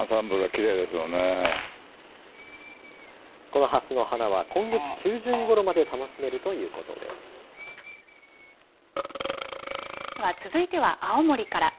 このハスの花は今月中旬ごろまで楽しめる続いては青森から。